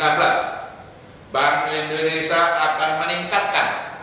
bank indonesia akan meningkatkan